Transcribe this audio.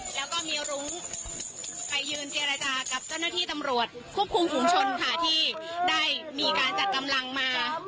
แล้วก็มีรุ้งไปยืนเจรจากับเจ้าหน้าที่ตำรวจควบคุมฝุงชนค่ะที่ได้มีการจัดกำลังมา